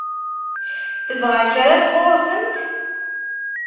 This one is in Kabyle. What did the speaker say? Tebɣa kra sɣur-sent?